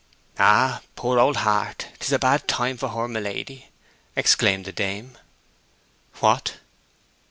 'Ah, poor old heart; 'tis a bad time for her, my lady!' exclaimed the dame. 'What?'